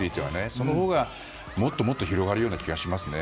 そのほうがもっと広がるような気がしますね。